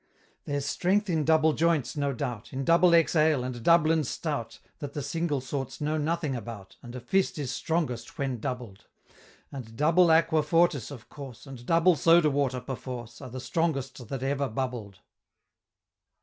There's strength in double joints, no doubt, In double X Ale, and Dublin Stout, That the single sorts know nothing about And a fist is strongest when doubled And double aqua fortis, of course, And double soda water, perforce, Are the strongest that ever bubbled!